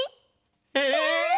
え？